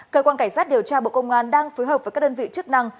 cơ quan cảnh sát điều tra bộ công an đang phối hợp với các đơn vị chức năng